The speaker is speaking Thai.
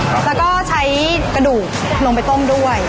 แล้วก็ใช้กระดูกลงไปต้มด้วย